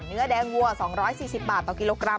เนื้อแดงวัว๒๔๐บาทต่อกิโลกรัม